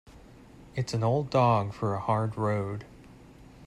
It's an old dog for a hard road.